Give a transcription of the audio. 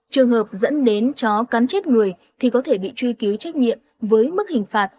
trường hợp dẫn đến chó cắn chết người thì có thể bị truy cứu trách nhiệm với mức hình phạt